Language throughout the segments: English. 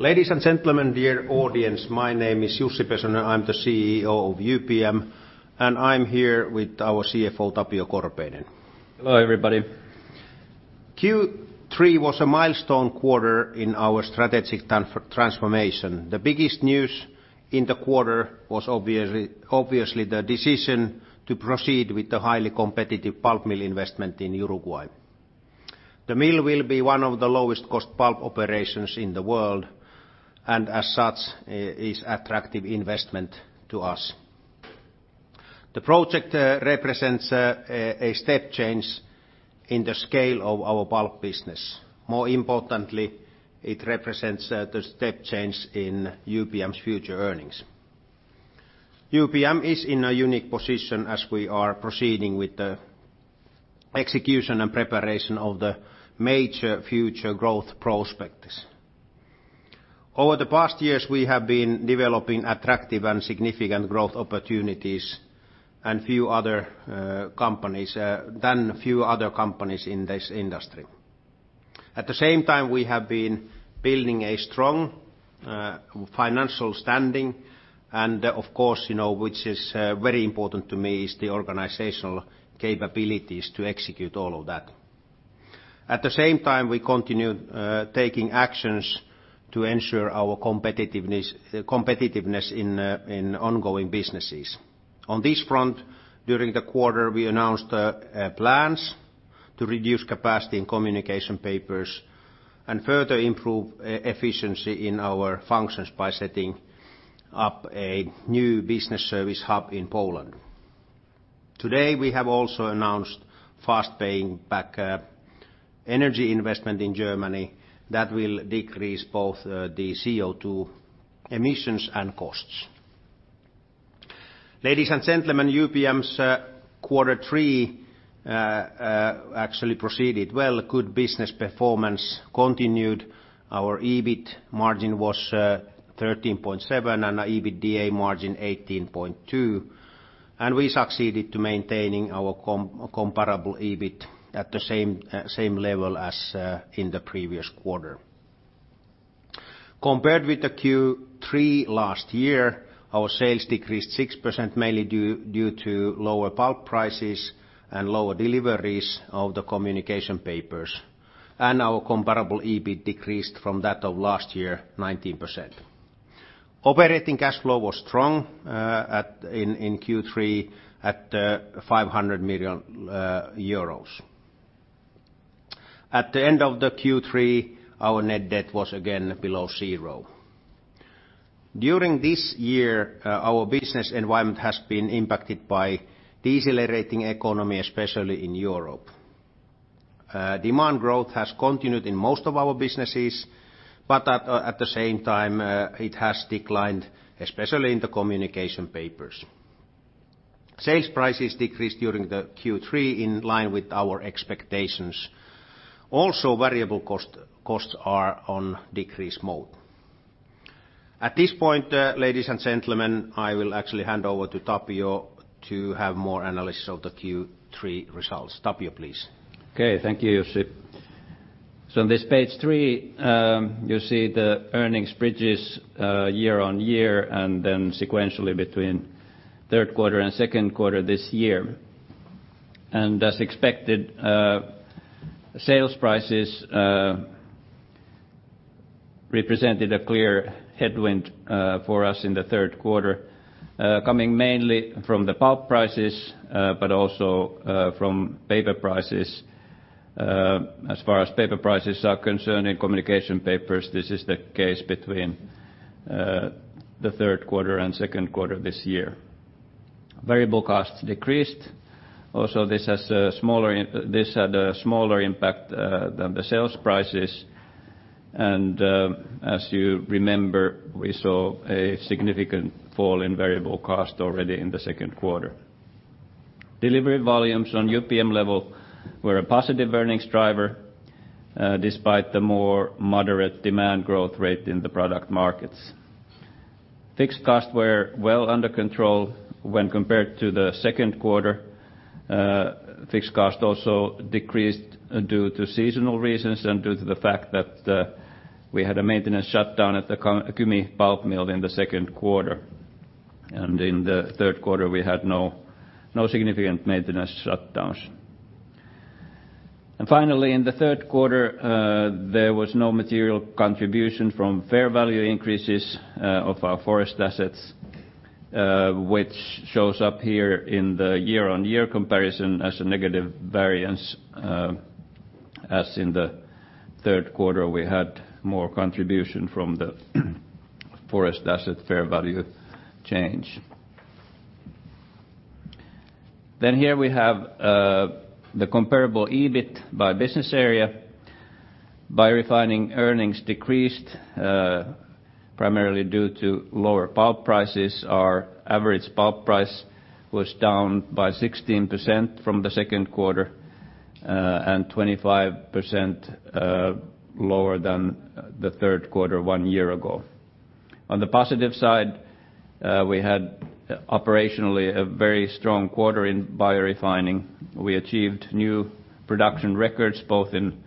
Ladies and gentlemen, dear audience, my name is Jussi Pesonen, I'm the CEO of UPM, and I'm here with our CFO, Tapio Korpeinen. Hello, everybody. Q3 was a milestone quarter in our strategic transformation. The biggest news in the quarter was obviously the decision to proceed with the highly competitive pulp mill investment in Uruguay. The mill will be one of the lowest cost pulp operations in the world, and as such, is attractive investment to us. The project represents a step change in the scale of our pulp business. More importantly, it represents the step change in UPM's future earnings. UPM is in a unique position as we are proceeding with the execution and preparation of the major future growth prospectus. Over the past years, we have been developing attractive and significant growth opportunities than few other companies in this industry. At the same time, we have been building a strong financial standing, and of course, which is very important to me, is the organizational capabilities to execute all of that. At the same time, we continue taking actions to ensure our competitiveness in ongoing businesses. On this front, during the quarter, we announced plans to reduce capacity in UPM Communication Papers and further improve efficiency in our functions by setting up a new business service hub in Poland. Today, we have also announced fast paying back energy investment in Germany that will decrease both the CO2 emissions and costs. Ladies and gentlemen, UPM's Q3 actually proceeded well. Good business performance continued. Our EBIT margin was 13.7% and EBITDA margin 18.2%. We succeeded to maintaining our comparable EBIT at the same level as in the previous quarter. Compared with the Q3 last year, our sales decreased 6%, mainly due to lower pulp prices and lower deliveries of the UPM Communication Papers. Our comparable EBIT decreased from that of last year, 19%. Operating cash flow was strong in Q3 at €500 million. At the end of the Q3, our net debt was again below zero. During this year, our business environment has been impacted by decelerating economy, especially in Europe. Demand growth has continued in most of our businesses, at the same time, it has declined, especially in the Communication Papers. Sales prices decreased during the Q3 in line with our expectations. Also, variable costs are on decrease mode. At this point, ladies and gentlemen, I will actually hand over to Tapio to have more analysis of the Q3 results. Tapio, please. Okay. Thank you, Jussi. On this page three, you see the earnings bridges year-on-year and then sequentially between third quarter and second quarter this year. As expected, sales prices represented a clear headwind for us in the third quarter, coming mainly from the pulp prices but also from paper prices. As far as paper prices are concerned in UPM Communication Papers, this is the case between the third quarter and second quarter this year. Variable costs decreased. Also, this had a smaller impact than the sales prices, and as you remember, we saw a significant fall in variable cost already in the second quarter. Delivery volumes on UPM level were a positive earnings driver despite the more moderate demand growth rate in the product markets. Fixed costs were well under control when compared to the second quarter. Fixed cost also decreased due to seasonal reasons and due to the fact that we had a maintenance shutdown at the Kymi pulp mill in the second quarter. In the third quarter we had no significant maintenance shutdowns. Finally, in the third quarter, there was no material contribution from fair value increases of our forest assets, which shows up here in the year-on-year comparison as a negative variance, as in the third quarter, we had more contribution from the forest asset fair value change. Here we have the comparable EBIT by business area. Biorefining earnings decreased primarily due to lower pulp prices. Our average pulp price was down by 16% from the second quarter, 25% lower than the third quarter one year ago. On the positive side, we had operationally a very strong quarter in Biorefining. We achieved new production records both in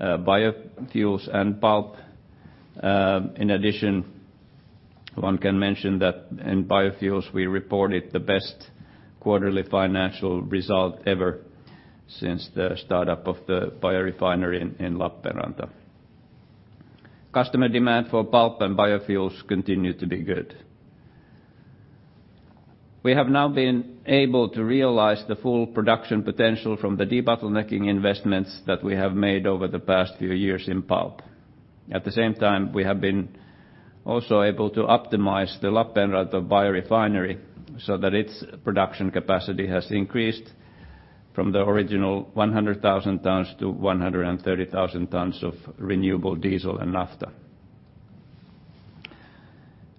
biofuels and pulp. In addition, one can mention that in biofuels, we reported the best quarterly financial result ever since the startup of the biorefinery in Lappeenranta. Customer demand for pulp and biofuels continue to be good. We have now been able to realize the full production potential from the debottlenecking investments that we have made over the past few years in pulp. At the same time, we have been also able to optimize the Lappeenranta biorefinery so that its production capacity has increased from the original 100,000 tons to 130,000 tons of renewable diesel and naphtha.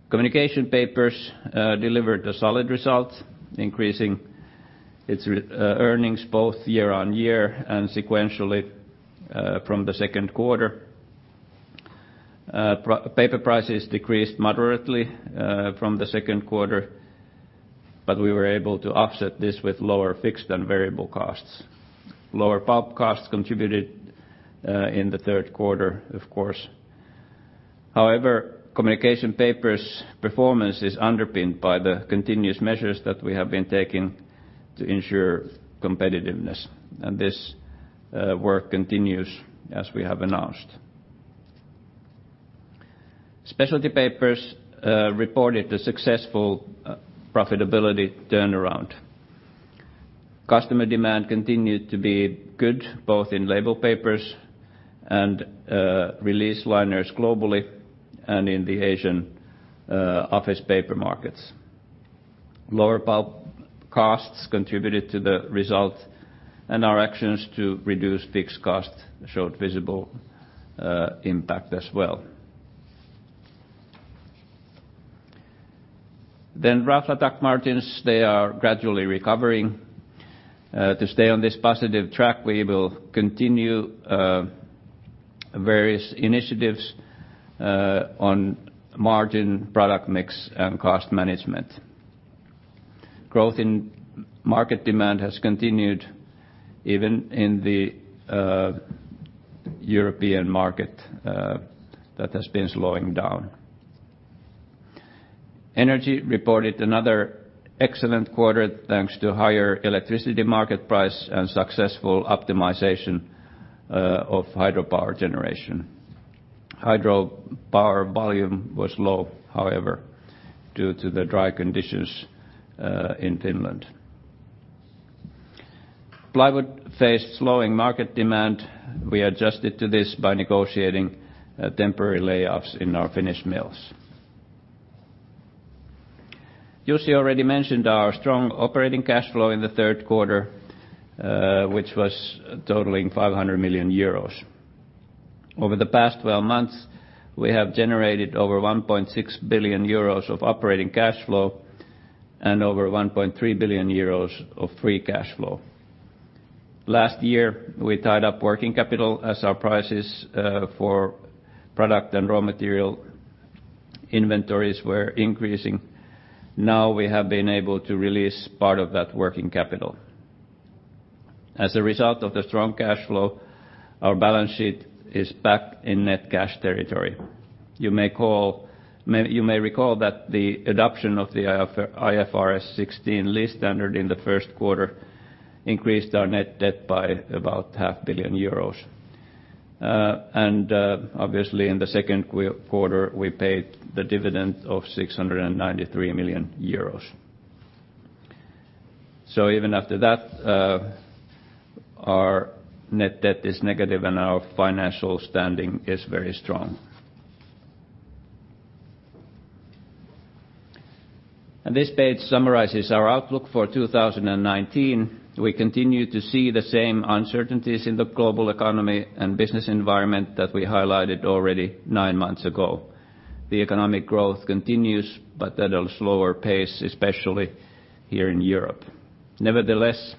Communication Papers delivered a solid result, increasing its earnings both year-on-year and sequentially from the second quarter. Paper prices decreased moderately from the second quarter, but we were able to offset this with lower fixed and variable costs. Lower pulp costs contributed in the third quarter, of course. However, UPM Communication Papers performance is underpinned by the continuous measures that we have been taking to ensure competitiveness, and this work continues as we have announced. UPM Specialty Papers reported a successful profitability turnaround. Customer demand continued to be good, both in label papers and release liners globally, and in the Asian office paper markets. Lower pulp costs contributed to the result, and our actions to reduce fixed costs showed visible impact as well. UPM Raflatac margins, they are gradually recovering. To stay on this positive track, we will continue various initiatives on margin product mix and cost management. Growth in market demand has continued even in the European market that has been slowing down. Energy reported another excellent quarter thanks to higher electricity market price and successful optimization of hydropower generation. Hydropower volume was low, however, due to the dry conditions in Finland. Plywood faced slowing market demand. We adjusted to this by negotiating temporary layoffs in our Finnish mills. Jussi already mentioned our strong operating cash flow in the third quarter, which was totaling 500 million euros. Over the past 12 months, we have generated over 1.6 billion euros of operating cash flow and over 1.3 billion euros of free cash flow. Last year, we tied up working capital as our prices for product and raw material inventories were increasing. Now we have been able to release part of that working capital. As a result of the strong cash flow, our balance sheet is back in net cash territory. You may recall that the adoption of the IFRS 16 lease standard in the first quarter increased our net debt by about half billion EUR. Obviously in the second quarter, we paid the dividend of 693 million euros. Even after that, our net debt is negative and our financial standing is very strong. This page summarizes our outlook for 2019. We continue to see the same uncertainties in the global economy and business environment that we highlighted already nine months ago. The economic growth continues, but at a slower pace, especially here in Europe. Nevertheless,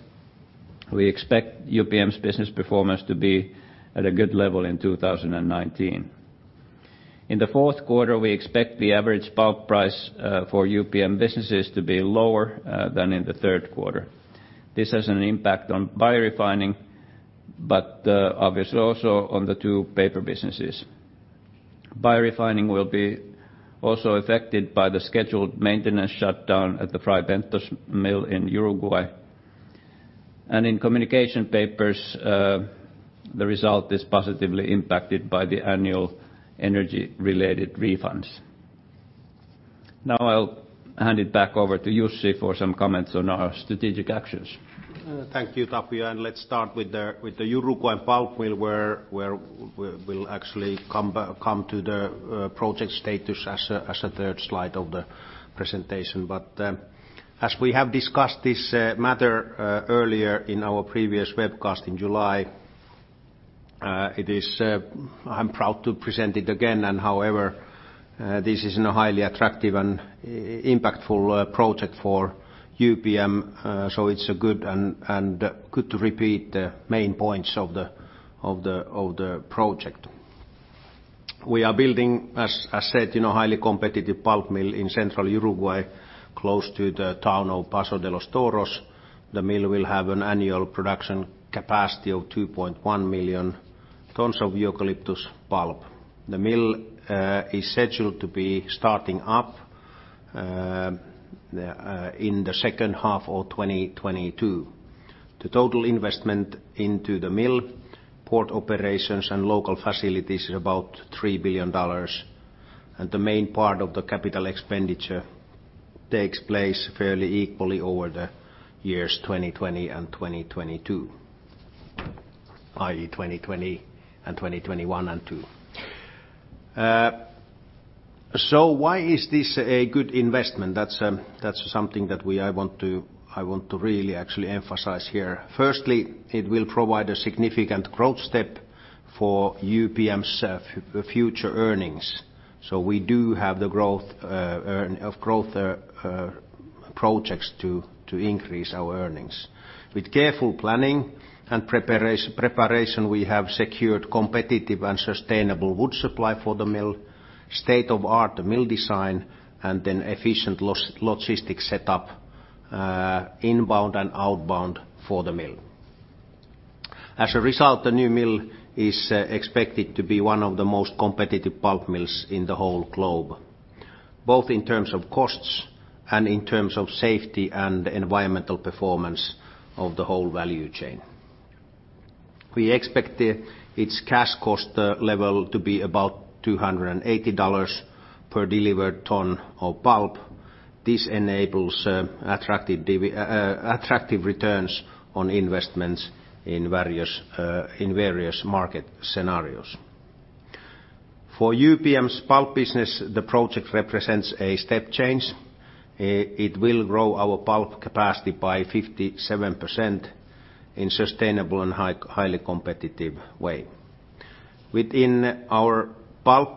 we expect UPM's business performance to be at a good level in 2019. In the fourth quarter, we expect the average pulp price for UPM businesses to be lower than in the third quarter. This has an impact on Biorefining, but obviously also on the two paper businesses. Biorefining will be also affected by the scheduled maintenance shutdown at the Fray Bentos mill in Uruguay. In Communication Papers, the result is positively impacted by the annual energy-related refunds. Now I'll hand it back over to Jussi for some comments on our strategic actions. Thank you, Tapio. Let's start with the Uruguay pulp mill, where we'll actually come to the project status as a third slide of the presentation. As we have discussed this matter earlier in our previous webcast in July, I'm proud to present it again. However, this is an highly attractive and impactful project for UPM, so it's good to repeat the main points of the project. We are building, as stated, a highly competitive pulp mill in central Uruguay, close to the town of Paso de los Toros. The mill will have an annual production capacity of 2.1 million tons of eucalyptus pulp. The mill is scheduled to be starting up in the second half of 2022. The total investment into the mill, port operations, and local facilities is about $3 billion. The main part of the capital expenditure takes place fairly equally over the years 2020 and 2022, i.e., 2020 and 2021 and 2022. Why is this a good investment? That's something that I want to really actually emphasize here. Firstly, it will provide a significant growth step for UPM's future earnings. We do have growth projects to increase our earnings. With careful planning and preparation, we have secured competitive and sustainable wood supply for the mill, state-of-the-art mill design, and an efficient logistics setup, inbound and outbound, for the mill. As a result, the new mill is expected to be one of the most competitive pulp mills in the whole globe, both in terms of costs and in terms of safety and environmental performance of the whole value chain. We expect its cash cost level to be about EUR 280 per delivered ton of pulp. This enables attractive returns on investments in various market scenarios. For UPM's pulp business, the project represents a step change. It will grow our pulp capacity by 57% in a sustainable and highly competitive way. Within our pulp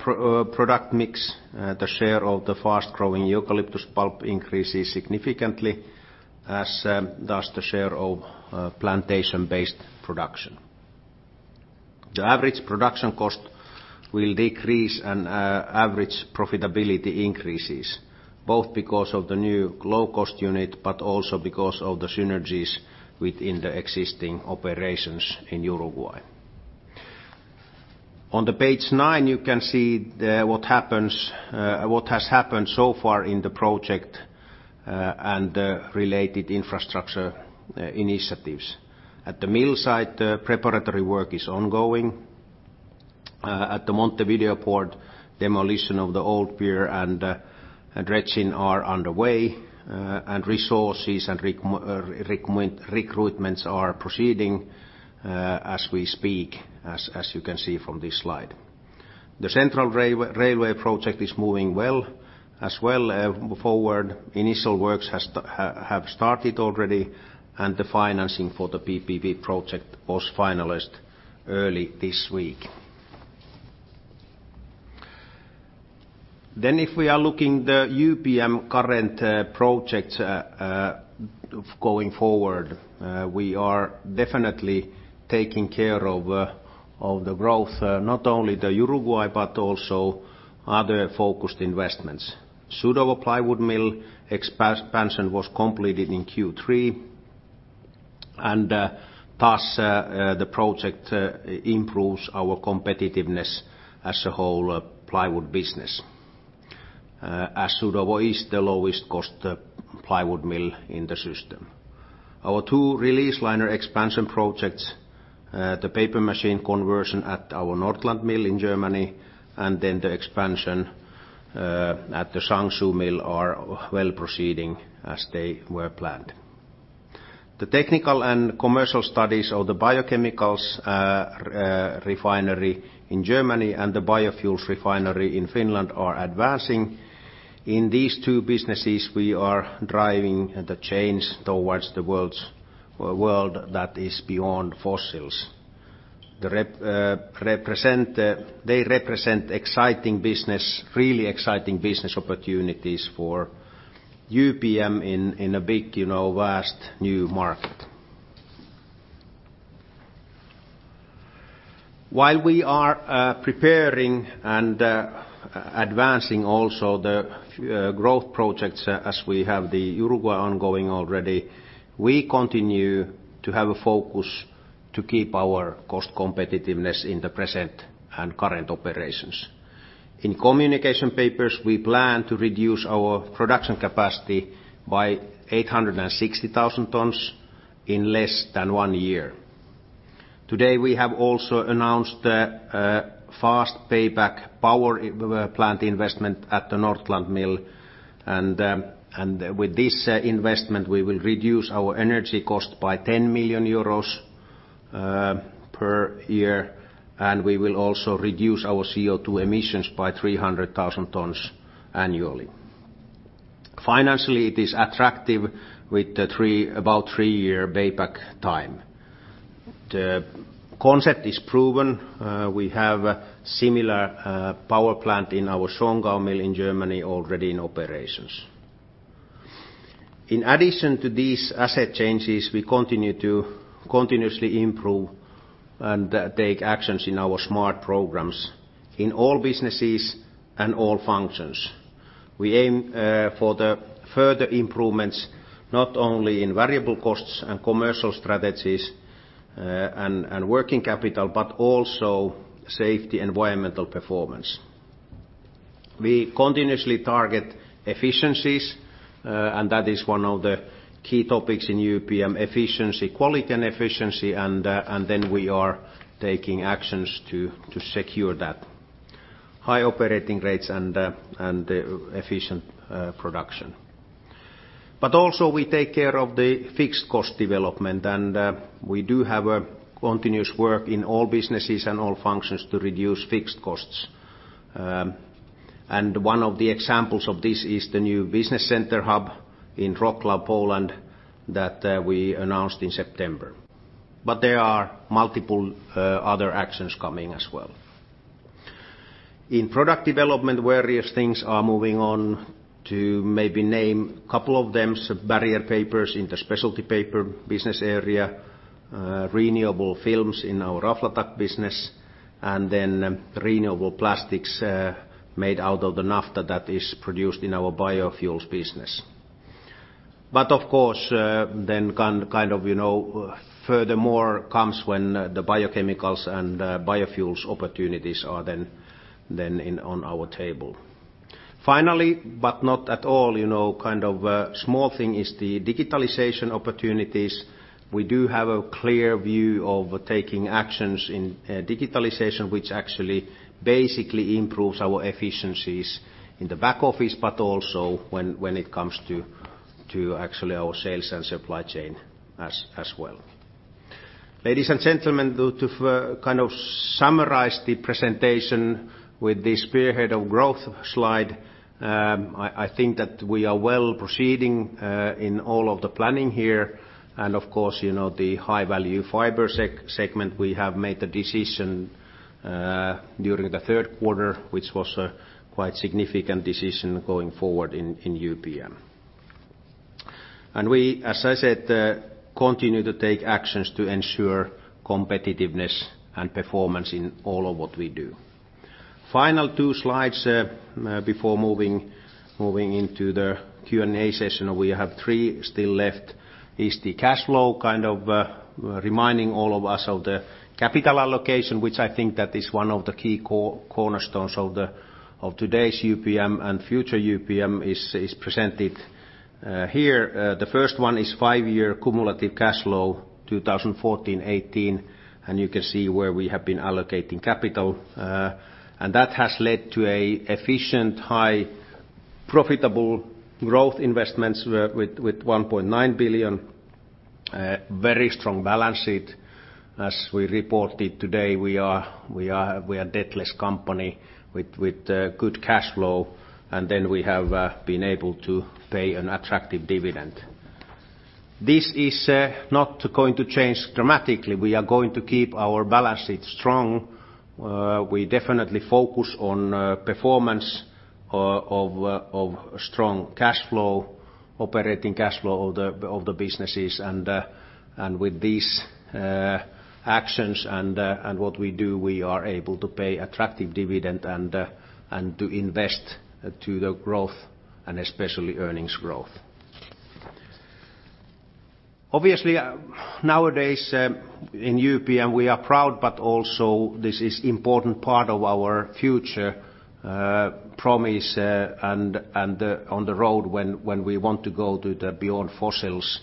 product mix, the share of the fast-growing eucalyptus pulp increases significantly, as does the share of plantation-based production. The average production cost will decrease, and average profitability increases, both because of the new low-cost unit, but also because of the synergies within the existing operations in Uruguay. On page nine, you can see what has happened so far in the project and the related infrastructure initiatives. At the mill site, the preparatory work is ongoing. At the Montevideo port, demolition of the old pier and dredging are underway, and resources and recruitments are proceeding as we speak, as you can see from this slide. The central railway project is moving well, as well forward. Initial works have started already. The financing for the PPP project was finalized early this week. If we are looking at the UPM current projects going forward, we are definitely taking care of the growth, not only Uruguay, but also other focused investments. Chudovo plywood mill expansion was completed in Q3, and thus the project improves our competitiveness as a whole plywood business, as Chudovo is the lowest-cost plywood mill in the system. Our two release liner expansion projects, the paper machine conversion at our Nordland mill in Germany, and then the expansion at the Changshu mill are well proceeding as they were planned. The technical and commercial studies of the biochemicals refinery in Germany and the biofuels refinery in Finland are advancing. In these two businesses, we are driving the change towards a world that is Beyond Fossils. They represent really exciting business opportunities for UPM in a big, vast, new market. While we are preparing and advancing also the growth projects as we have Uruguay ongoing already, we continue to have a focus to keep our cost competitiveness in the present and current operations. In UPM Communication Papers, we plan to reduce our production capacity by 860,000 tons in less than one year. Today, we have also announced a fast payback power plant investment at the Nordland mill, and with this investment, we will reduce our energy cost by 10 million euros per year, and we will also reduce our CO2 emissions by 300,000 tons annually. Financially, it is attractive with about three-year payback time. The concept is proven. We have a similar power plant in our Schongau mill in Germany already in operations. In addition to these asset changes, we continue to continuously improve and take actions in our smart programs in all businesses and all functions. We aim for the further improvements not only in variable costs and commercial strategies and working capital, but also safety, environmental performance. We continuously target efficiencies, that is one of the key topics in UPM: efficiency, quality and efficiency, we are taking actions to secure that high operating rates and efficient production. Also we take care of the fixed cost development, we do have a continuous work in all businesses and all functions to reduce fixed costs. One of the examples of this is the new business center hub in Wrocław, Poland that we announced in September, there are multiple other actions coming as well. In product development, various things are moving on to maybe name a couple of them, barrier papers in the UPM Specialty Papers business area, renewable films in our UPM Raflatac business, and then renewable plastics made out of the naphtha that is produced in our Biorefining business. Of course, then can kind of furthermore comes when the biochemicals and biofuels opportunities are then on our table. Finally, but not at all, kind of a small thing is the digitalization opportunities. We do have a clear view of taking actions in digitalization, which actually basically improves our efficiencies in the back office, but also when it comes to actually our sales and supply chain as well. Ladies and gentlemen, to kind of summarize the presentation with the spearhead of growth slide, I think that we are well proceeding in all of the planning here. Of course, the high-value fiber segment, we have made the decision during the third quarter, which was a quite significant decision going forward in UPM. We, as I said, continue to take actions to ensure competitiveness and performance in all of what we do. Final two slides before moving into the Q&A session, we have three still left, is the cash flow kind of reminding all of us of the capital allocation, which I think that is one of the key cornerstones of today's UPM and future UPM is presented here. The first one is five-year cumulative cash flow 2014, 2018, and you can see where we have been allocating capital. That has led to a efficient, high profitable growth investments with 1.9 billion, very strong balance sheet. As we reported today, we are debtless company with good cash flow. We have been able to pay an attractive dividend. This is not going to change dramatically. We are going to keep our balance sheet strong. We definitely focus on performance of strong cash flow, operating cash flow of the businesses, and with these actions and what we do, we are able to pay attractive dividend and to invest to the growth and especially earnings growth. Obviously, nowadays in UPM, we are proud. Also, this is important part of our future promise and on the road when we want to go to the Beyond Fossils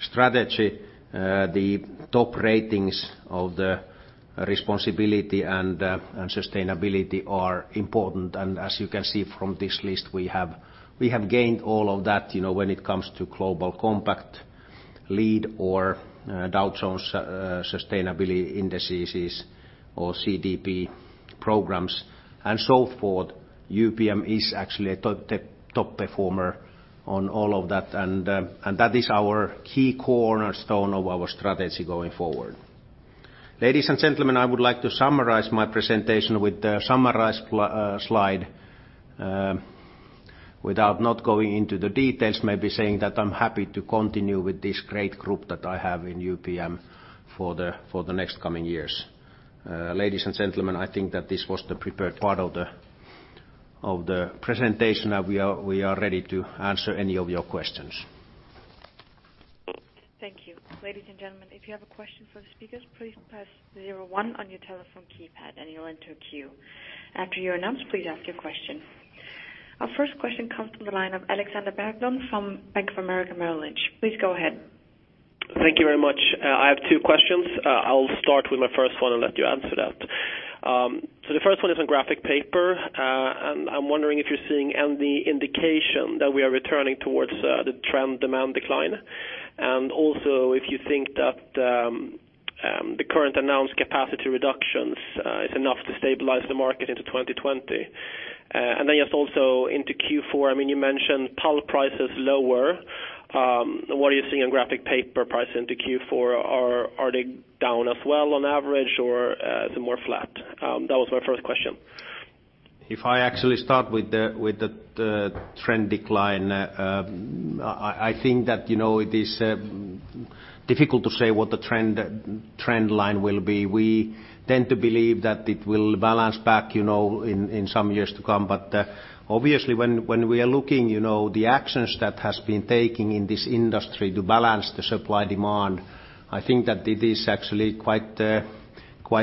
strategy, the top ratings of the responsibility and sustainability are important. As you can see from this list, we have gained all of that when it comes to Global Compact LEAD or Dow Jones Sustainability Indices or CDP programs and so forth. UPM is actually a top performer on all of that, and that is our key cornerstone of our strategy going forward. Ladies and gentlemen, I would like to summarize my presentation with the summarize slide without not going into the details, maybe saying that I'm happy to continue with this great group that I have in UPM for the next coming years. Ladies and gentlemen, I think that this was the prepared part of the presentation. Now we are ready to answer any of your questions. Thank you. Ladies and gentlemen, if you have a question for the speakers, please press zero one on your telephone keypad and you'll enter a queue. After you're announced, please ask your question. Our first question comes from the line of Alexander Berglund from Bank of America Merrill Lynch. Please go ahead. Thank you very much. I have two questions. I'll start with my first one and let you answer that. The first one is on graphic paper. I'm wondering if you're seeing any indication that we are returning towards the trend demand decline. Also if you think that the current announced capacity reductions is enough to stabilize the market into 2020. Then just also into Q4, you mentioned pulp price is lower. What are you seeing on graphic paper price into Q4? Are they down as well on average or is it more flat? That was my first question. If I actually start with the trend decline, I think that it is difficult to say what the trend line will be. We tend to believe that it will balance back in some years to come. Obviously when we are looking, the actions that has been taken in this industry to balance the supply demand, I think that it is actually quite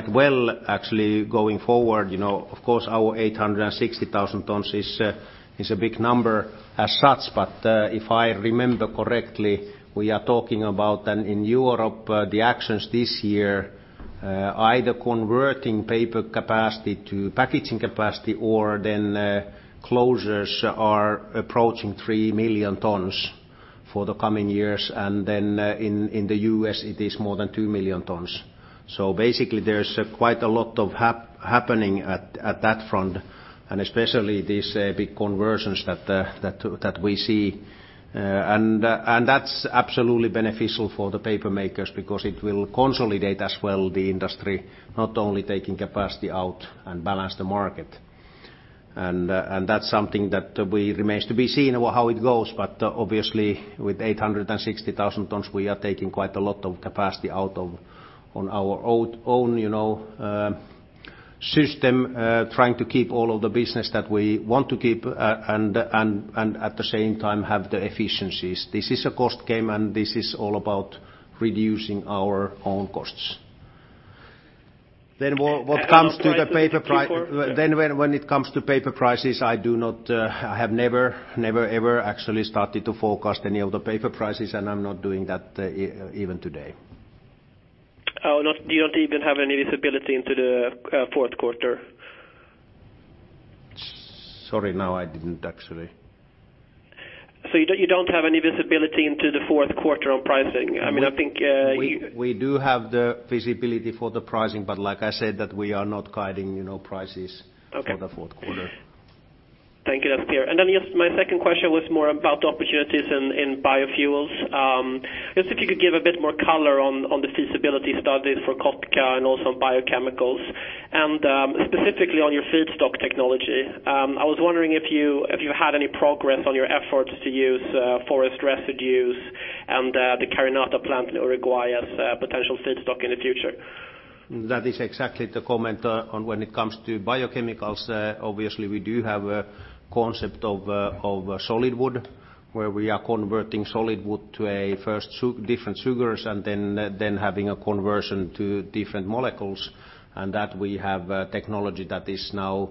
well actually going forward. Of course, our 860,000 tons is a big number as such, but if I remember correctly, we are talking about then in Europe, the actions this year, either converting paper capacity to packaging capacity or then closures are approaching 3 million tons for the coming years. Then in the U.S. it is more than 2 million tons. Basically there's quite a lot of happening at that front, and especially these big conversions that we see. That's absolutely beneficial for the paper makers because it will consolidate as well the industry, not only taking capacity out and balance the market. That's something that will remains to be seen how it goes. Obviously with 860,000 tons, we are taking quite a lot of capacity out on our own system, trying to keep all of the business that we want to keep, and at the same time have the efficiencies. This is a cost game and this is all about reducing our own costs. When it comes to paper prices, I have never, ever actually started to forecast any of the paper prices, and I'm not doing that even today. Oh, you don't even have any visibility into the fourth quarter? Sorry, now I didn't actually. You don't have any visibility into the fourth quarter on pricing? We do have the visibility for the pricing, but like I said, that we are not guiding prices. Okay for the fourth quarter. Thank you. That's clear. Yes, my second question was more about the opportunities in biofuels. Just if you could give a bit more color on the feasibility studies for Kotka and also biochemicals, and specifically on your feedstock technology. I was wondering if you had any progress on your efforts to use forest residues and the Carinata plant in Uruguay as potential feedstock in the future. That is exactly the comment on when it comes to biochemicals. Obviously, we do have a concept of solid wood, where we are converting solid wood to a first different sugars and then having a conversion to different molecules. That we have technology that is now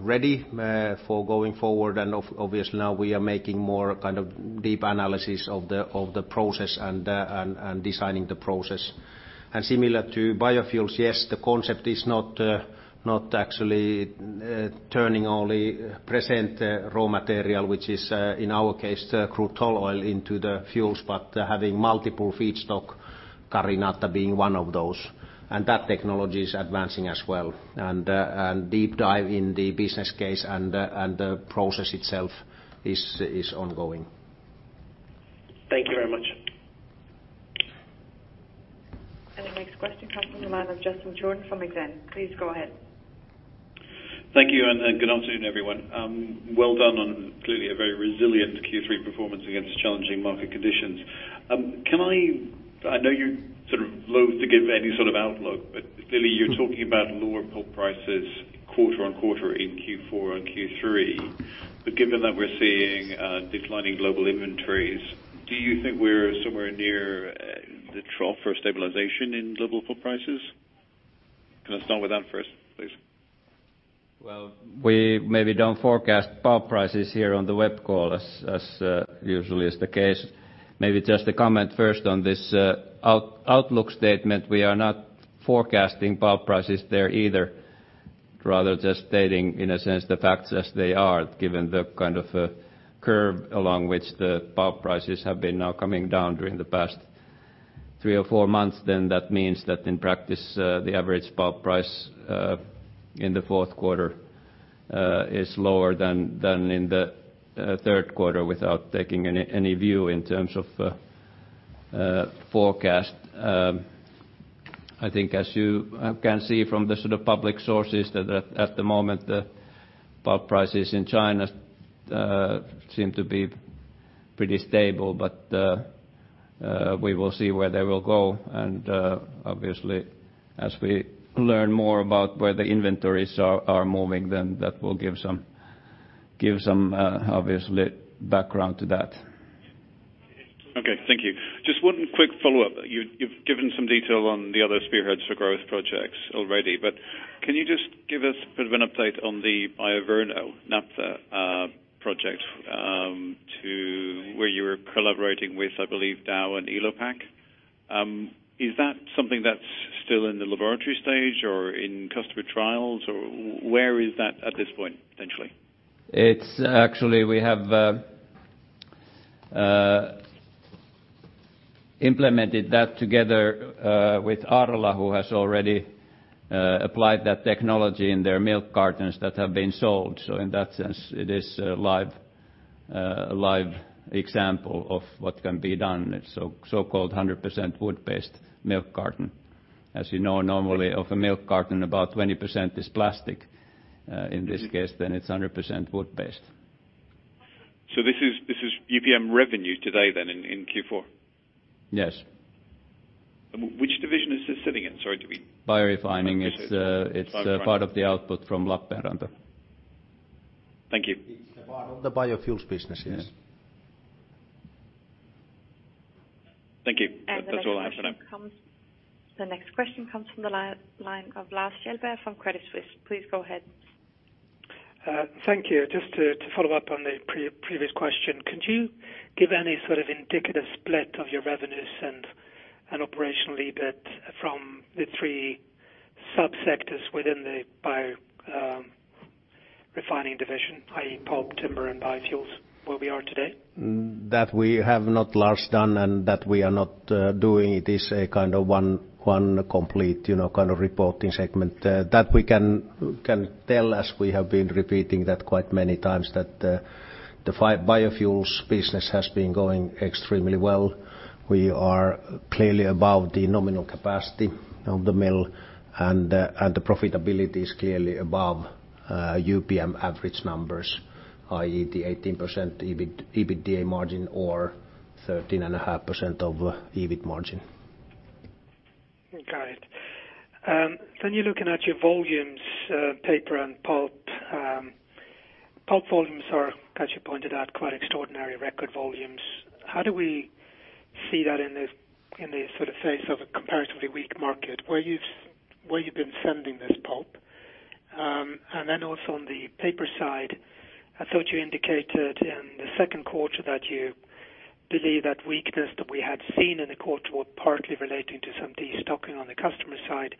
ready for going forward. Obviously now we are making more kind of deep analysis of the process and designing the process. Similar to biofuels, yes, the concept is not actually turning only present raw material, which is, in our case, the crude tall oil into the fuels, but having multiple feedstock, Carinata being one of those. That technology is advancing as well. Deep dive in the business case and the process itself is ongoing. Thank you very much. The next question comes from the line of Justin Jordan from Exane. Please go ahead. Thank you, and good afternoon, everyone. Well done on clearly a very resilient Q3 performance against challenging market conditions. I know you sort of loathe to give any sort of outlook, clearly you're talking about lower pulp prices quarter on quarter in Q4 and Q3. Given that we're seeing declining global inventories, do you think we're somewhere near the trough or stabilization in global pulp prices? Can I start with that first, please? Well, we maybe don't forecast pulp prices here on the web call as usually is the case. Maybe just a comment first on this outlook statement. We are not forecasting pulp prices there either. Just stating, in a sense, the facts as they are given the kind of curve along which the pulp prices have been now coming down during the past three or four months. That means that in practice the average pulp price in the fourth quarter is lower than in the third quarter without taking any view in terms of forecast. I think as you can see from the sort of public sources that at the moment the pulp prices in China seem to be pretty stable, we will see where they will go. Obviously as we learn more about where the inventories are moving, then that will give some obviously background to that. Okay, thank you. Just one quick follow-up. You've given some detail on the other spearheads for growth projects already, but can you just give us a bit of an update on the BioVerno naphtha project where you were collaborating with, I believe, Dow and Elopak. Is that something that's still in the laboratory stage or in customer trials or where is that at this point, potentially? It's actually we have implemented that together with Arla, who has already applied that technology in their milk cartons that have been sold. In that sense, it is a live example of what can be done, a so-called 100% wood-based milk carton. As you know, normally of a milk carton, about 20% is plastic. In this case, it's 100% wood-based. This is UPM revenue today in Q4? Yes. Which division is this sitting in? Sorry. Biorefining. Biorefining part of the output from Lappeenranta. Thank you. It's the part of the biofuels business, yes. Yes. Thank you. That is all I have for now. The next question comes from the line of Lars Kjellmer from Credit Suisse. Please go ahead. Thank you. Just to follow up on the previous question, could you give any sort of indicative split of your revenues and operational EBIT from the three sub-sectors within the Biorefining division, i.e., pulp, timber, and biofuels, where we are today? We have not, Lars, done and that we are not doing. It is a kind of one complete kind of reporting segment. We can tell as we have been repeating that quite many times that the biofuels business has been going extremely well. We are clearly above the nominal capacity of the mill, and the profitability is clearly above UPM average numbers, i.e., the 18% EBITDA margin or 13.5% of EBIT margin. Got it. When you're looking at your volumes, paper and pulp volumes are, as you pointed out, quite extraordinary record volumes. How do we see that in the sort of face of a comparatively weak market where you've been sending this pulp? Also on the paper side, I thought you indicated in the second quarter that you believe that weakness that we had seen in the quarter was partly relating to some destocking on the customer side,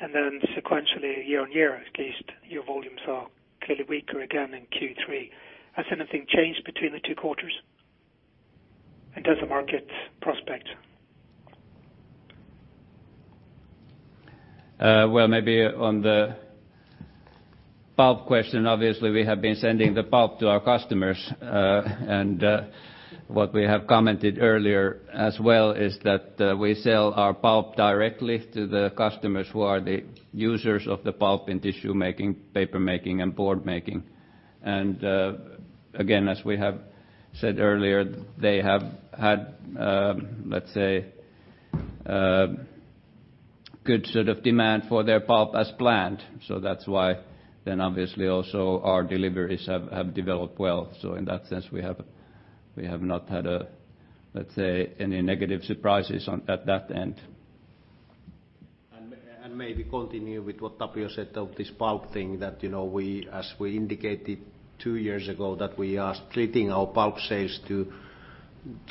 and then sequentially year-over-year, at least your volumes are clearly weaker again in Q3. Has anything changed between the two quarters, and does the market prospect? Well, maybe on the pulp question, obviously, we have been sending the pulp to our customers. What we have commented earlier as well is that we sell our pulp directly to the customers who are the users of the pulp in tissue making, paper making, and board making. Again, as we have said earlier, they have had, let's say, good sort of demand for their pulp as planned. That's why then obviously also our deliveries have developed well. In that sense, we have not had, let's say, any negative surprises at that end. Maybe continue with what Tapio said of this pulp thing that as we indicated two years ago, that we are splitting our pulp sales to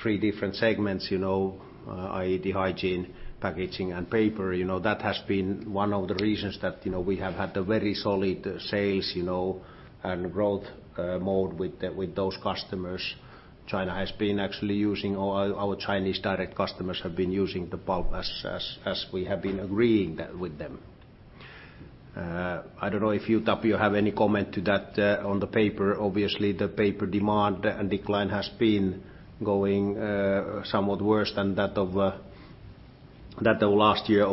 three different segments i.e., hygiene, packaging, and paper. That has been one of the reasons that we have had a very solid sales and growth mode with those customers. Our Chinese direct customers have been using the pulp as we have been agreeing that with them. I don't know if you, Tapio, have any comment to that on the paper. The paper demand and decline has been going somewhat worse than that of last year.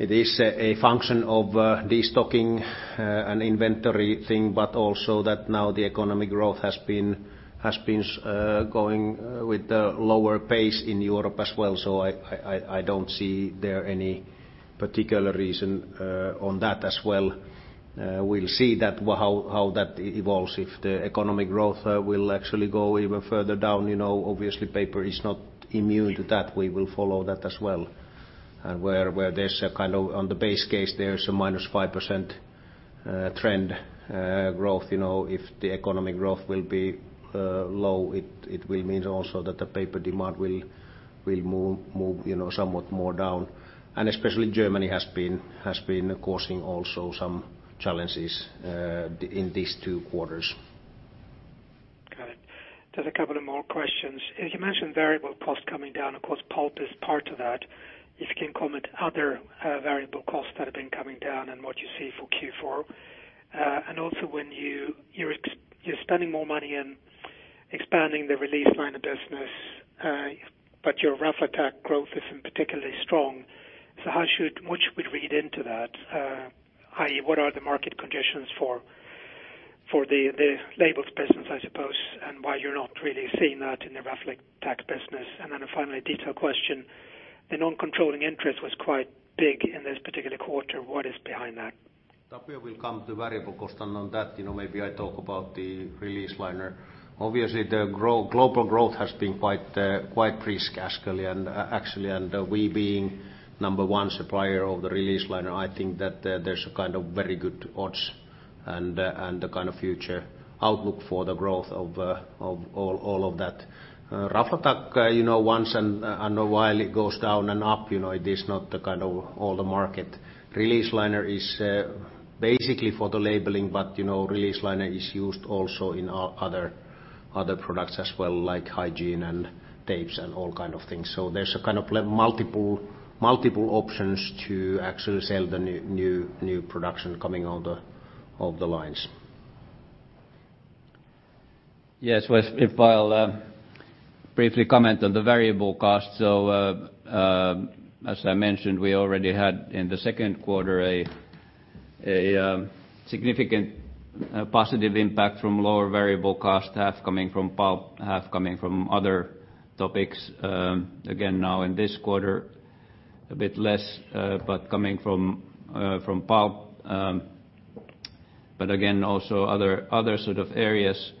It is a function of destocking and inventory thing, but also that now the economic growth has been going with the lower pace in Europe as well. I don't see there any particular reason on that as well. We'll see how that evolves, if the economic growth will actually go even further down. Paper is not immune to that. We will follow that as well, where there's a kind of, on the base case, there is a minus 5% trend growth. If the economic growth will be low, it will mean also that the paper demand will move somewhat more down. Especially Germany has been causing also some challenges in these two quarters. Got it. Just a couple of more questions. You mentioned variable cost coming down. Of course, pulp is part of that. If you can comment other variable costs that have been coming down and what you see for Q4. Also when you're spending more money in expanding the release liner business, but your UPM Raflatac growth isn't particularly strong. What should we read into that? What are the market conditions for the labels business, I suppose, and why you're not really seeing that in the UPM Raflatac business? Then a final detail question. The non-controlling interest was quite big in this particular quarter. What is behind that? Tapio will come to variable cost. On that maybe I talk about the release liner. Obviously, the global growth has been quite brisk actually. We being number 1 supplier of the release liner, I think that there's a kind of very good odds and a kind of future outlook for the growth of all of that. Raflatac once in a while it goes down and up. It is not the kind of all the market. Release liner is basically for the labeling. Release liner is used also in other products as well, like hygiene and tapes and all kind of things. There's a kind of multiple options to actually sell the new production coming out of the lines. I'll briefly comment on the variable cost. As I mentioned, we already had in the second quarter a significant positive impact from lower variable cost, half coming from pulp, half coming from other topics. Now in this quarter, a bit less, but coming from pulp. Again, also other sort of areas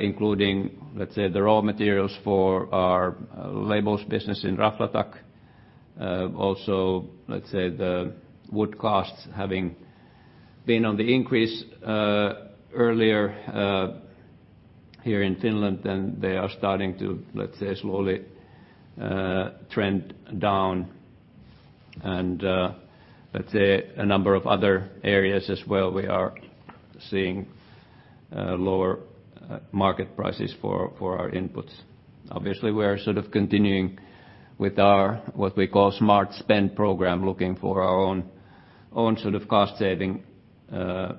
including, let's say, the raw materials for our labels business in Raflatac. Let's say the wood costs having been on the increase earlier here in Finland, and they are starting to, let's say, slowly trend down and let's say a number of other areas as well. We are seeing lower market prices for our inputs. We are sort of continuing with our, what we call Smart Spend program, looking for our own sort of cost saving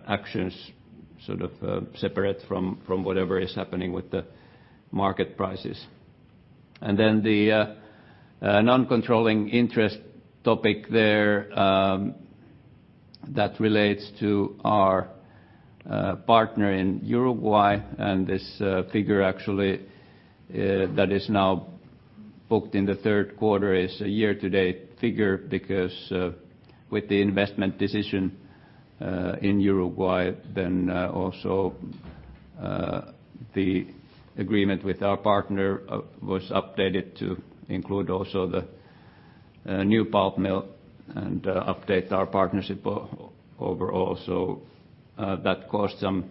actions, sort of separate from whatever is happening with the market prices. The non-controlling interest topic there that relates to our partner in Uruguay and this figure actually that is now booked in the third quarter is a year-to-date figure because with the investment decision in Uruguay, also the agreement with our partner was updated to include also the new pulp mill and update our partnership overall. That caused some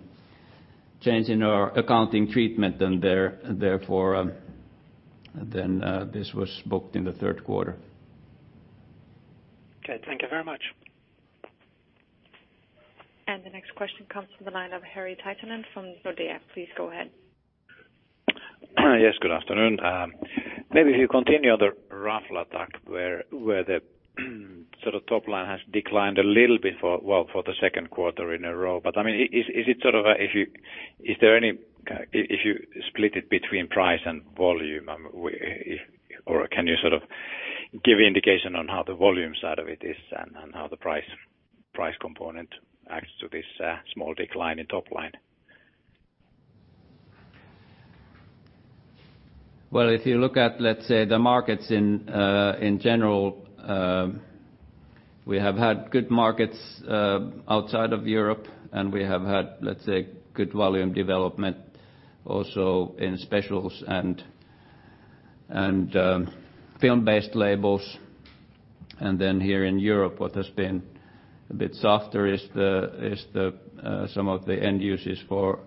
change in our accounting treatment and therefore, this was booked in the third quarter. Okay. Thank you very much. The next question comes from the line of Harri-Pekka Tiittanen from Nordea. Please go ahead. Yes, good afternoon. Maybe if you continue on the Raflatac where the sort of top line has declined a little bit for the second quarter in a row. I mean, if you split it between price and volume, or can you sort of give indication on how the volume side of it is and how the price component acts to this small decline in top line? Well, if you look at, let's say the markets in general, we have had good markets outside of Europe. We have had, let's say, good volume development also in specials and film-based labels. Here in Europe, what has been a bit softer is some of the end uses for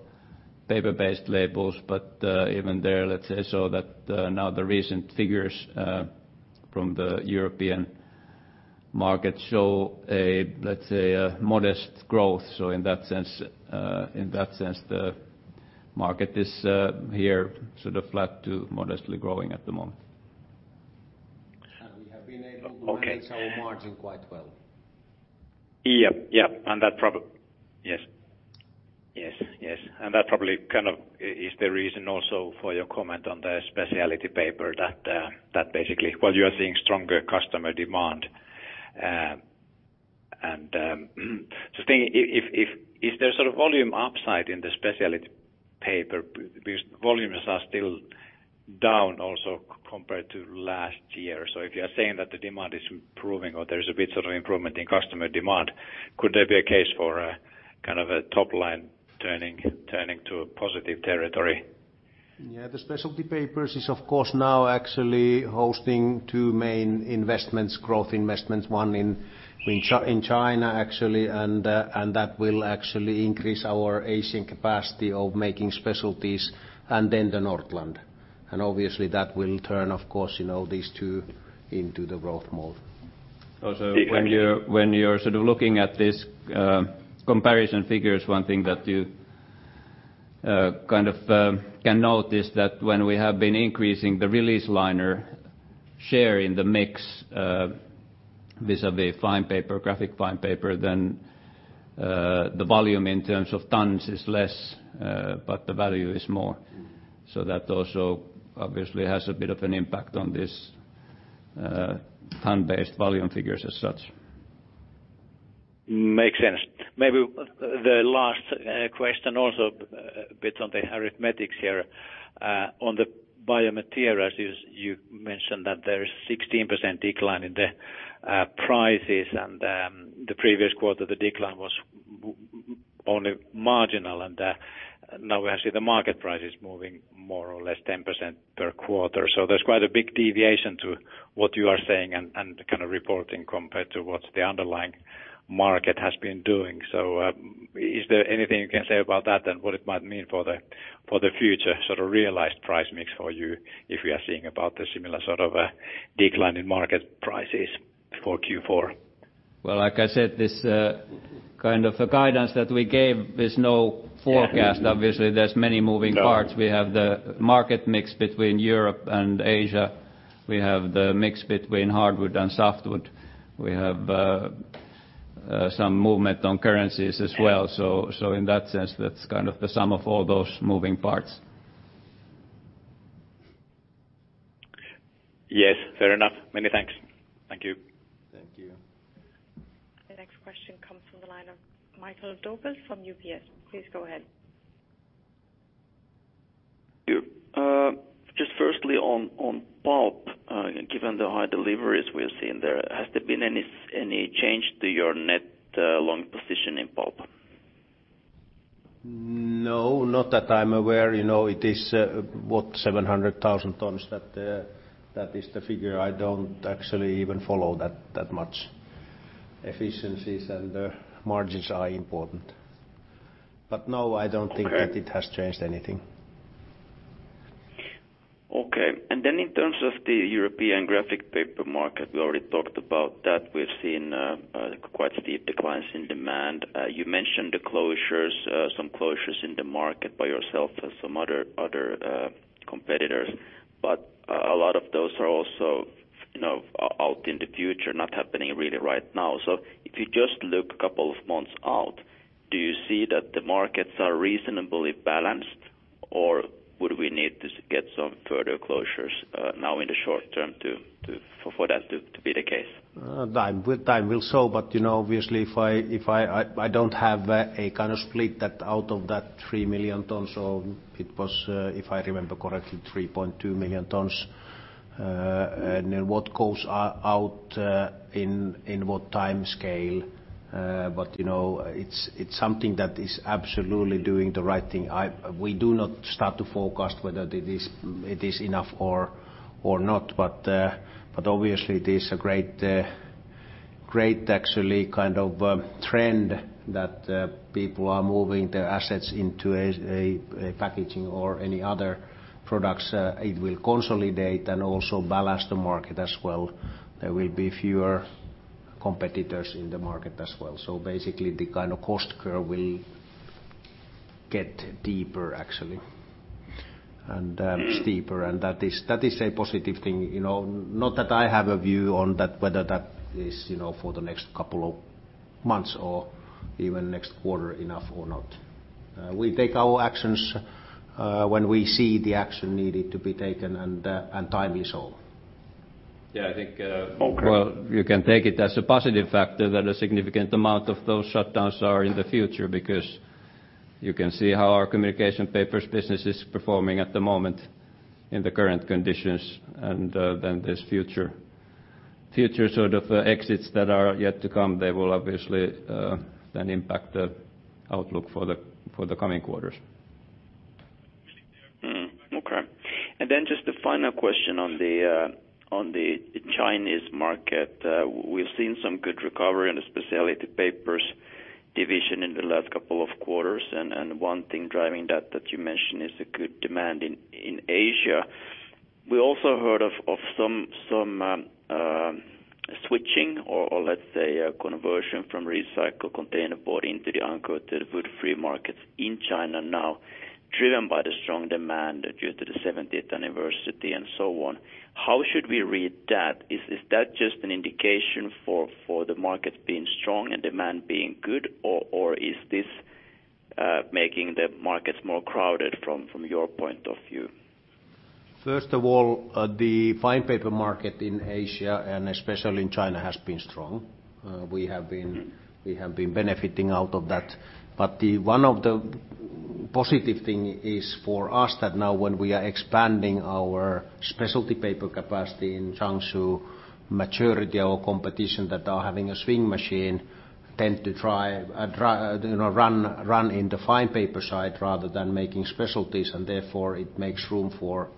paper-based labels. Even there, let's say, so that now the recent figures from the European market show a modest growth. In that sense, the market is here sort of flat to modestly growing at the moment. We have been able to manage our margin quite well. Yep. Yes, that probably kind of is the reason also for your comment on the UPM Specialty Papers that basically while you are seeing stronger customer demand. Just thinking if there's sort of volume upside in the UPM Specialty Papers, because volumes are still down also compared to last year. If you are saying that the demand is improving or there's a bit of improvement in customer demand, could there be a case for a kind of a top line turning to a positive territory? Yeah, UPM Specialty Papers is of course now actually hosting two main investments, growth investments, one in China actually. That will actually increase our Asian capacity of making specialties and then the Nordland. Obviously that will turn, of course, these two into the growth mode. Okay. When you're sort of looking at this comparison figures, one thing that you kind of can note is that when we have been increasing the release liner share in the mix vis-à-vis fine paper, graphic fine paper, then the volume in terms of tons is less, but the value is more. That also obviously has a bit of an impact on this ton-based volume figures as such. Makes sense. Maybe the last question also a bit on the arithmetics here. On the biomaterials, you mentioned that there is 16% decline in the prices. The previous quarter, the decline was only marginal. Now we actually the market price is moving more or less 10% per quarter. There's quite a big deviation to what you are saying and kind of reporting compared to what the underlying market has been doing. Is there anything you can say about that and what it might mean for the future sort of realized price mix for you if we are seeing about the similar sort of decline in market prices for Q4? Well, like I said, this kind of a guidance that we gave is no forecast. Obviously, there is many moving parts. We have the market mix between Europe and Asia. We have the mix between hardwood and softwood. Some movement on currencies as well. In that sense, that's the sum of all those moving parts. Yes, fair enough. Many thanks. Thank you. Thank you. The next question comes from the line of Mikael Doepel from UBS. Please go ahead. Just firstly on pulp, given the high deliveries we're seeing there, has there been any change to your net long position in pulp? No, not that I'm aware. It is, what, 700,000 tons, that is the figure. I don't actually even follow that much. Efficiencies and margins are important. No, I don't think that it has changed anything. Okay. In terms of the European graphic paper market, we already talked about that. We've seen quite steep declines in demand. You mentioned some closures in the market by yourself and some other competitors, but a lot of those are also out in the future, not happening really right now. If you just look a couple of months out, do you see that the markets are reasonably balanced, or would we need to get some further closures now in the short term for that to be the case? Time will show. Obviously I don't have a split that out of that 3 million tons or it was, if I remember correctly, 3.2 million tons, and then what goes out in what time scale. It's something that is absolutely doing the right thing. We do not start to forecast whether it is enough or not. Obviously it is a great actually trend that people are moving their assets into a packaging or any other products. It will consolidate and also balance the market as well. There will be fewer competitors in the market as well. Basically the cost curve will get deeper actually, and steeper and that is a positive thing. Not that I have a view on whether that is for the next couple of months or even next quarter enough or not. We take our actions when we see the action needed to be taken and time is all. Okay Well, you can take it as a positive factor that a significant amount of those shutdowns are in the future because you can see how our Communication Papers business is performing at the moment in the current conditions. These future exits that are yet to come, they will obviously then impact the outlook for the coming quarters. Okay. Just the final question on the Chinese market. We've seen some good recovery in the UPM Specialty Papers division in the last couple of quarters, and one thing driving that you mentioned is the good demand in Asia. We also heard of some switching or let's say a conversion from recycled container board into the uncoated wood free markets in China now driven by the strong demand due to the 70th anniversary and so on. How should we read that? Is that just an indication for the market being strong and demand being good, or is this making the markets more crowded from your point of view? First of all, the fine paper market in Asia and especially in China has been strong. We have been benefiting out of that, but one of the positive thing is for us that now when we are expanding our specialty paper capacity in Jiangsu, maturity or competition that are having a swing machine tend to run in the fine paper side rather than making specialties and therefore it makes room for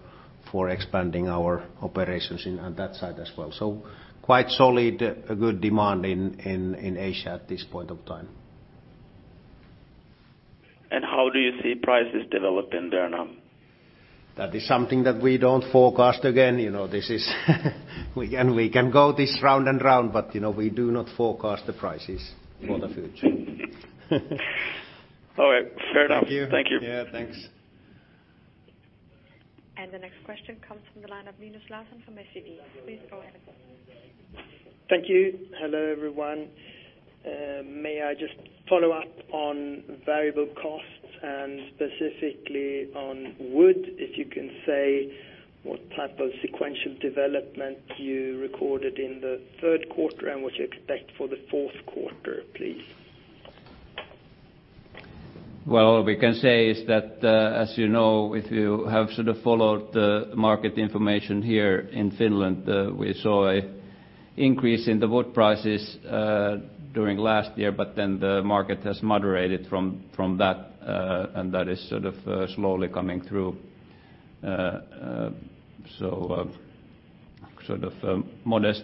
expanding our operations in that side as well. Quite solid, a good demand in Asia at this point of time. How do you see prices developing there now? That is something that we don't forecast again. We can go this round and round, but we do not forecast the prices for the future. All right. Fair enough. Thank you. Thank you. Yeah, thanks. The next question comes from the line of Linus Larsson from SEB. Please go ahead. Thank you. Hello, everyone. May I just follow up on variable costs and specifically on wood, if you can say what type of sequential development you recorded in the third quarter and what you expect for the fourth quarter, please? All we can say is that, as you know, if you have followed the market information here in Finland, we saw an increase in the wood prices during last year, but then the market has moderated from that. That is slowly coming through. Modest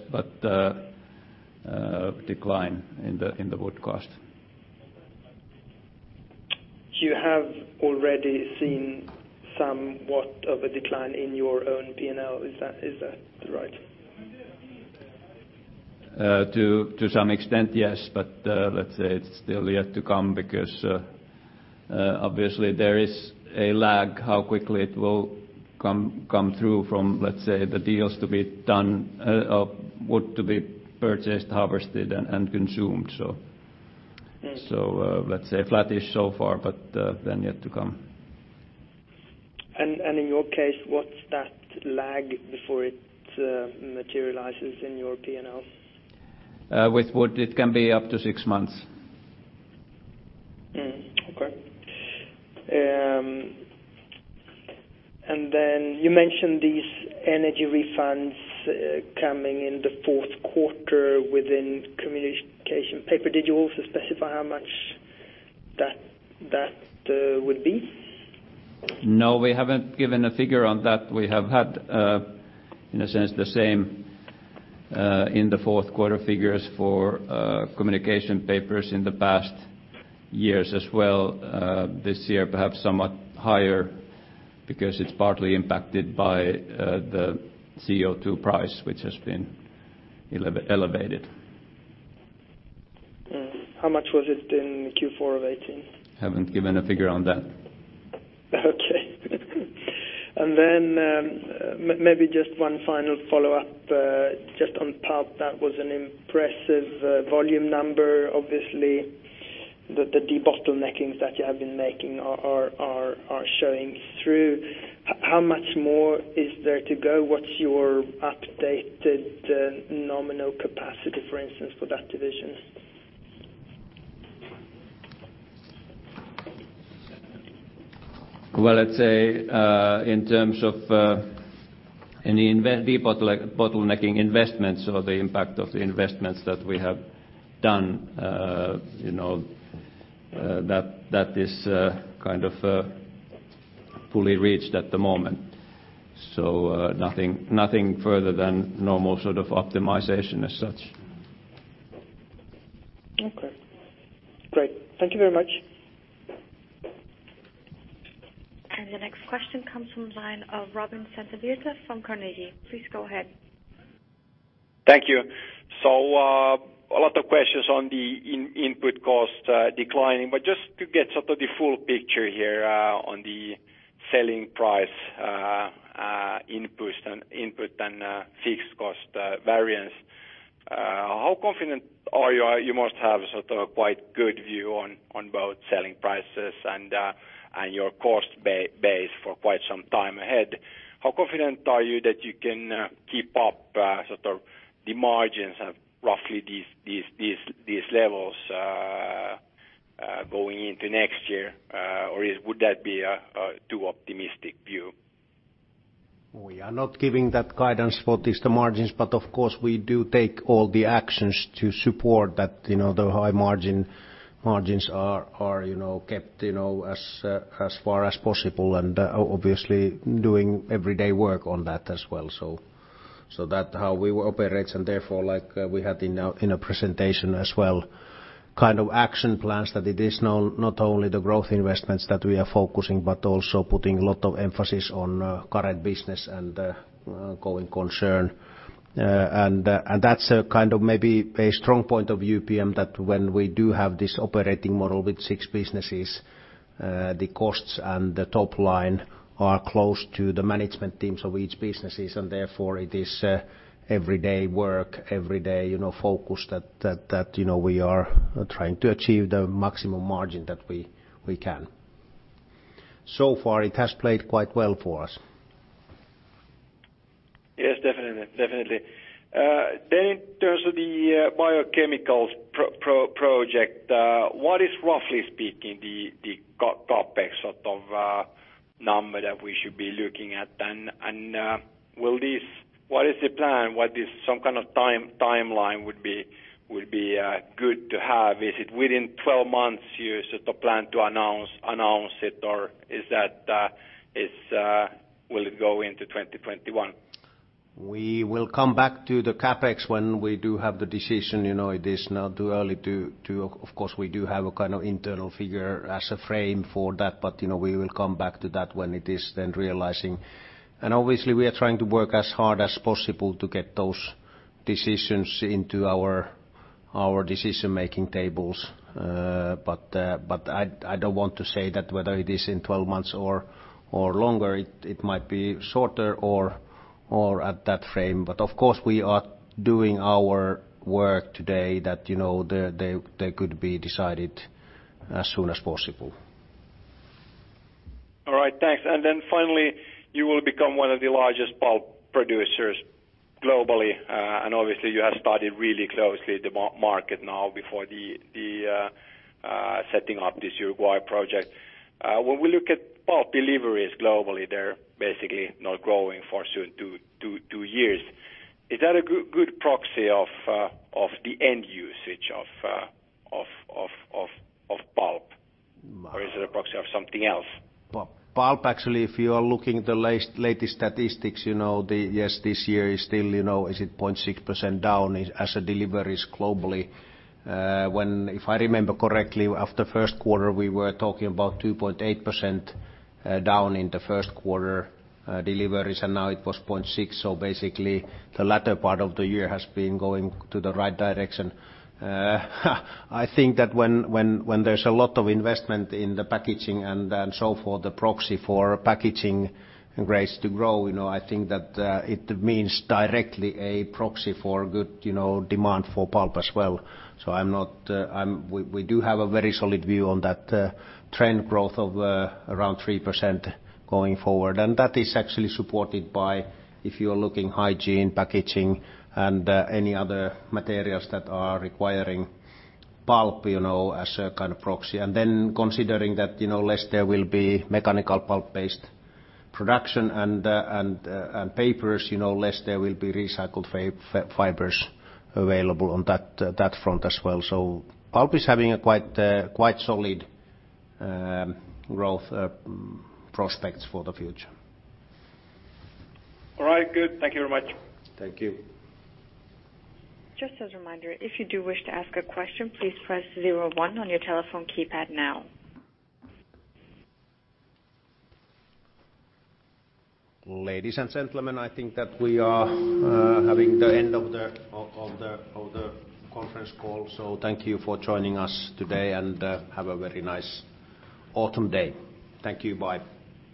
decline in the wood cost. You have already seen somewhat of a decline in your own P&L. Is that right? To some extent, yes. Let's say it's still yet to come because, obviously, there is a lag how quickly it will come through from, let's say, the deals to be done, wood to be purchased, harvested, and consumed. Let's say flattish so far, but then yet to come. In your case, what's that lag before it materializes in your P&L? With wood, it can be up to six months. Okay. Then you mentioned these energy refunds coming in the fourth quarter within Communication Papers. Did you also specify how much that would be? No, we haven't given a figure on that. We have had, in a sense, the same in the fourth quarter figures for UPM Communication Papers in the past years as well. This year, perhaps somewhat higher because it's partly impacted by the CO2 price, which has been elevated. How much was it in Q4 of 2018? Haven't given a figure on that. Okay. Maybe just one final follow-up just on pulp. That was an impressive volume number, obviously. The debottleneckings that you have been making are showing through. How much more is there to go? What's your updated nominal capacity, for instance, for that division? Well, let's say in terms of any debottlenecking investments or the impact of the investments that we have done that is kind of fully reached at the moment. Nothing further than normal sort of optimization as such. Okay. Great. Thank you very much. The next question comes from the line of Robin Santavirta from Carnegie. Please go ahead. Thank you. A lot of questions on the input cost declining, but just to get sort of the full picture here on the selling price input and fixed cost variance. You must have sort of quite a good view on both selling prices and your cost base for quite some time ahead. How confident are you that you can keep up sort of the margins of roughly these levels going into next year? Would that be a too optimistic view? Of course, we do take all the actions to support that the high margins are kept as far as possible and obviously doing everyday work on that as well. That how we will operate and therefore like we had in our presentation as well, kind of action plans that it is not only the growth investments that we are focusing but also putting a lot of emphasis on current business and going concern. That's a kind of maybe a strong point of UPM that when we do have this operating model with six businesses the costs and the top line are close to the management teams of each businesses, and therefore it is everyday work, everyday focus that we are trying to achieve the maximum margin that we can. So far, it has played quite well for us. Yes, definitely. In terms of the biochemicals project, what is roughly speaking, the CapEx sort of number that we should be looking at? What is the plan? What is some kind of timeline would be good to have? Is it within 12 months you sort of plan to announce it, or will it go into 2021? We will come back to the CapEx when we do have the decision. Of course, we do have a kind of internal figure as a frame for that, but we will come back to that when it is then realizing. Obviously, we are trying to work as hard as possible to get those decisions into our decision-making tables. I don't want to say that whether it is in 12 months or longer, it might be shorter or at that frame. Of course, we are doing our work today that they could be decided as soon as possible. All right, thanks. Finally, you will become one of the largest pulp producers globally. Obviously you have studied really closely the market now before setting up this Uruguay project. When we look at pulp deliveries globally, they're basically not growing for two years. Is that a good proxy of the end usage of pulp? Is it a proxy of something else? Pulp, actually, if you are looking at the latest statistics, yes, this year is still 0.6% down as deliveries globally. If I remember correctly, after the first quarter, we were talking about 2.8% down in the first quarter deliveries, now it was 0.6%. Basically, the latter part of the year has been going to the right direction. I think that when there's a lot of investment in the packaging and so forth, the proxy for packaging rates to grow, I think that it means directly a proxy for good demand for pulp as well. We do have a very solid view on that trend growth of around 3% going forward. That is actually supported by, if you are looking hygiene, packaging, and any other materials that are requiring pulp as a kind of proxy. Considering that less there will be mechanical pulp-based production and papers, less there will be recycled fibers available on that front as well. Pulp is having quite solid growth prospects for the future. All right, good. Thank you very much. Thank you. Just as a reminder, if you do wish to ask a question, please press 01 on your telephone keypad now. Ladies and gentlemen, I think that we are having the end of the conference call. Thank you for joining us today, and have a very nice autumn day. Thank you. Bye.